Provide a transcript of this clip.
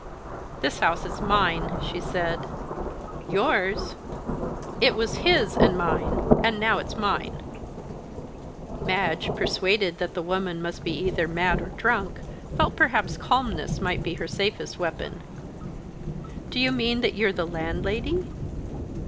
"This house is mine," she said. "Yours?" "It was his, and mine and now it's mine." Madge, persuaded that the woman must be either mad or drunk, felt that perhaps calmness might be her safest weapon. "Do you mean that you're the landlady?"